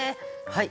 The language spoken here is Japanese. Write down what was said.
はい。